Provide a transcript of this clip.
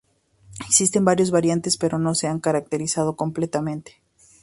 Existen más variantes pero no se han caracterizado completamente.